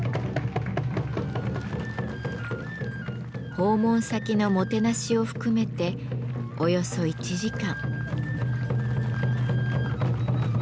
訪問先のもてなしを含めておよそ１時間。